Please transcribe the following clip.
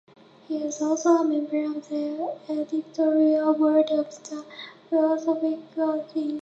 He is also a member of the editorial board of "The Philosophical Quarterly".